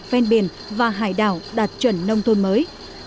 phen biển và hải đảo đạt chuẩn nông thôn mới